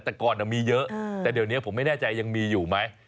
แต่ก่อนมีเยอะแต่เดี๋ยวนี้ผมไม่แน่ใจยังมีอยู่ไหม